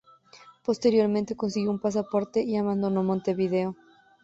Posteriormente consiguió un pasaporte y abandonó Montevideo.